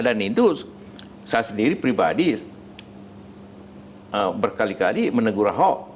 dan itu saya sendiri pribadi berkali kali menegurahok